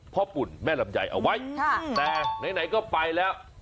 ปุ่นแม่ลำไยเอาไว้แต่ไหนก็ไปแล้ว